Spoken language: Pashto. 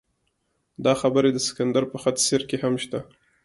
دا خبرې د سکندر په خط سیر کې هم شته.